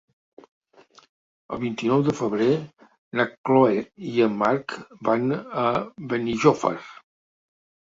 El vint-i-nou de febrer na Chloé i en Marc van a Benijòfar.